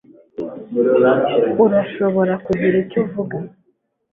Urashobora kugira icyo uvuga